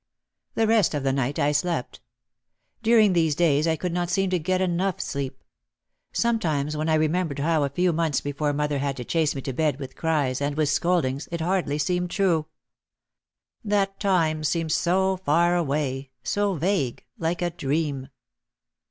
The rest of the night I slept. During these days I could not seem to get enough sleep. Sometimes when I remembered how a few months before mother had to chase me to bed with cries and with scoldings it hardly seemed true. That time seemed so far away, so vague, like a dream.